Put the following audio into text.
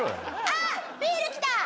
あっビール来た！